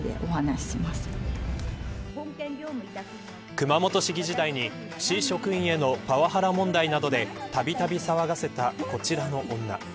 熊本市議時代に市職員へのパワハラ問題などでたびたび騒がせた、こちらの女。